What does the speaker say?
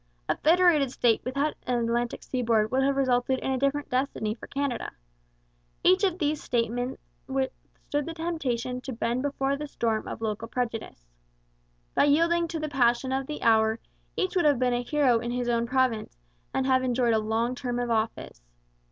A federated state without an Atlantic seaboard would have resulted in a different destiny for Canada. Each of these statesmen withstood the temptation to bend before the storm of local prejudice. By yielding to the passion of the hour each would have been a hero in his own province and have enjoyed a long term of office.